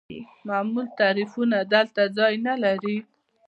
معمول تعریفونه دلته ځای نلري.